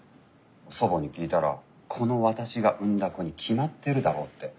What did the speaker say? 祖母に聞いたらこの私が産んだ子に決まってるだろうって。